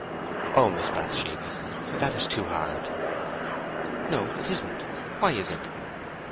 "Oh, Miss Bathsheba! That is too hard!" "No, it isn't. Why is it?"